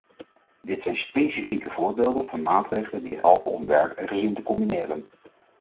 Dit zijn specifieke voorbeelden van maatregelen die helpen om werk en gezin te combineren.